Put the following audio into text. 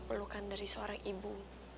pelukan dari seorang ibu